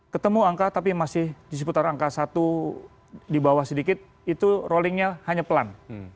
ketemu angka tapi masih di seputar angka satu di bawah sedikit itu rollingnya hanya pelan